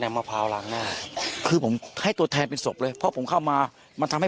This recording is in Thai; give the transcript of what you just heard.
และก็ใช้แบบมะพร้าวล้างหน้า